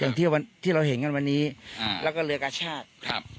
อย่างที่วันที่เราเห็นกันวันนี้อ่าแล้วก็เรือกระชากครับ